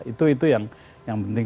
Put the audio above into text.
itu yang penting